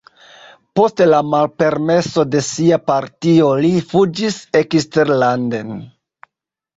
Post la malpermeso de sia partio li fuĝis eksterlanden.